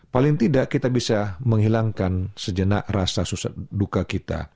paling tidak kita bisa menghilangkan sejenak rasa duka kita